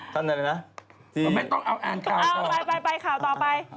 ต้องเอาข่าวต่อไป